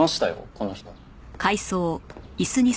この人。